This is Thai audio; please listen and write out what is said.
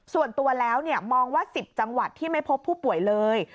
ส่วนตัวแล้วมองว่า๑๐จังหวัดที่ไม่พบผู้ป่วยเลย